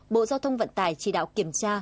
bộ giao thông vận tải chỉ đạo kiểm tra